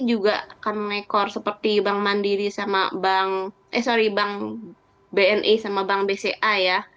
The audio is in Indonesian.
ini juga akan rekor seperti bank bni sama bank bca ya